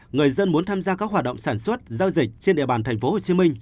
người dân muốn tham gia các hoạt động sản xuất giao dịch trên địa bàn tp hcm